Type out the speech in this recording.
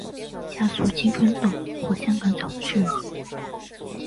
加速青春痘或香港脚的治愈。